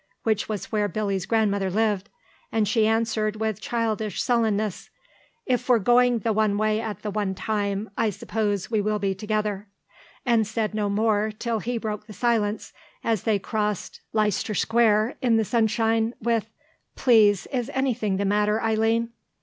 (which was where Billy's grandmother lived), and she answered with childish sullenness, "If we're going the one way at the one time I suppose we will be together," and said no more till he broke the silence as they crossed Leicester Square in the sunshine with, "Please, is anything the matter, Eileen?"